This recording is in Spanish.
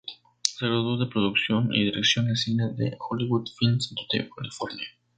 Se graduó de Producción y Dirección de Cine del Hollywood Film Institute de California.